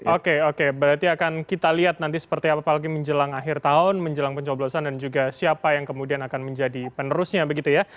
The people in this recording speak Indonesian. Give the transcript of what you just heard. oke oke berarti akan kita lihat nanti seperti apa pak menjelang akhir tahun menjelang pencoblosan dan juga siapa yang kemudian akan menjadi penerusnya begitu ya